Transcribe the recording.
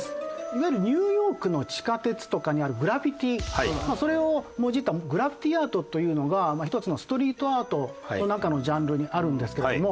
いわゆるニューヨークの地下鉄とかにあるグラフィティそれをもじったグラフィティ・アートというのが一つのストリートアートの中のジャンルにあるんですけども。